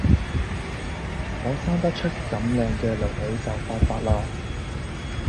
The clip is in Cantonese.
我生得出咁靚嘅囡囡就發達啦！